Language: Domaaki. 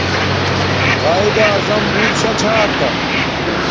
قایداعظم بوت شاہ چھا کا